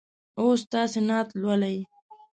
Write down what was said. اوس تاسې نعت لولئ.